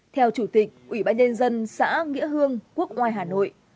theo chủ tịch ủy ban nhân dân xã nghĩa hương quốc oai hà nội